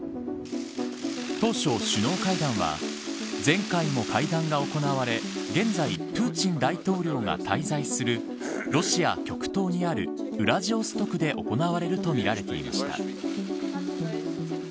当初、首脳会談は前回も会談が行われ現在、プーチン大統領が滞在するロシア極東にあるウラジオストクで行われるとみられていました。